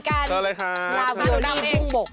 ครับราวิโอรี่บุ้งบก